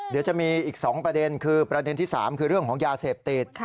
เดี๋ยวจะมีอีก๒ประเด็นคือประเด็นที่๓คือเรื่องของยาเสพติด